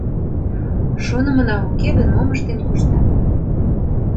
Шонымына уке гын, мом ыштен коштат?